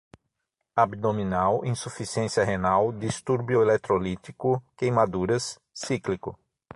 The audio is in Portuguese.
abdominal, insuficiência renal, distúrbio eletrolítico, queimaduras, cíclico